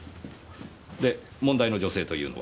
で問題の女性というのは？